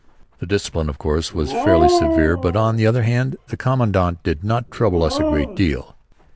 The discipline, of course, was fairly severe, but on the other hand the Commandant did not trouble us a great deal.